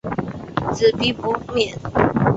子必不免。